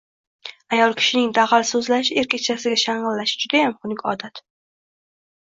Ayol kishining dag‘al so‘zlashi, erkakchasiga shang‘illashi judayam xunuk odat.